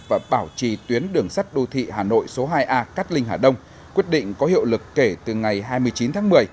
và bảo trì tuyến đường sắt đô thị hà nội số hai a cát linh hà đông quyết định có hiệu lực kể từ ngày hai mươi chín tháng một mươi